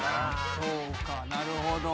そうかなるほど。